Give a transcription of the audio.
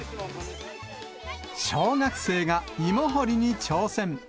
小学生が芋掘りに挑戦。